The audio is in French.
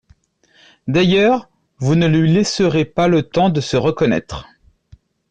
D’ailleurs, vous ne lui laisserez pas le temps de se reconnaître.